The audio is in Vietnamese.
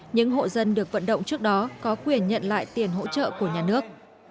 những hộ dân được vận động trước đó có quyền nhận lại tiền hỗ trợ của nhà nước